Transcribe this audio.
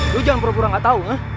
lu jangan pura pura gak tau